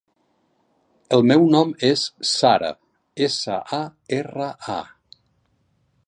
El meu nom és Sara: essa, a, erra, a.